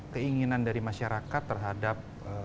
keinginan dari masyarakat terhadap